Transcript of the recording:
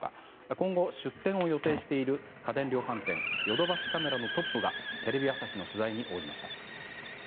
今後、出店を予定している家電量販店ヨドバシカメラのトップがテレビ朝日の取材に応じました。